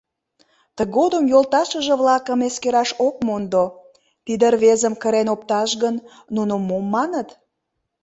Тыгодым йолташыже-влакым эскераш ок мондо: тиде рвезым кырен опташ гын, нуно мом маныт?